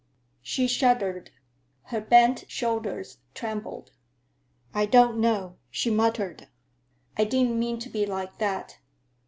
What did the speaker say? She shuddered. Her bent shoulders trembled. "I don't know," she muttered. "I didn't mean to be like that.